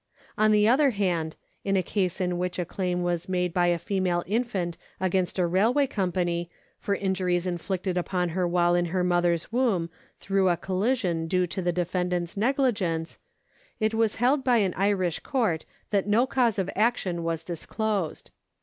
On the other hand, in a case in which a claim was made by a female infant against a railway com pany for injuries inflicted upon her while in her mother's womb through a collision due to the defendant's negligence, it was held by an Irish court that no cause of action was disclosed.